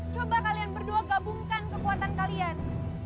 coba kalian berdua gabungkan kekuatan kalian